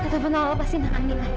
kak taufan tolong lepasin tangan mila